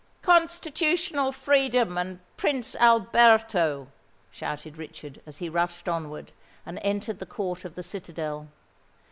"Constitutional freedom and Prince Alberto!" shouted Richard, as he rushed onward, and entered the court of the citadel.